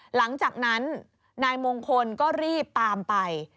หลังจากนั้นนายมงคลก็รีบตามไป